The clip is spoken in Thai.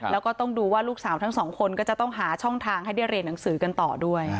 แล้วก็ต้องดูว่าลูกสาวทั้งสองคนก็จะต้องหาช่องทางให้ได้เรียนหนังสือกันต่อด้วย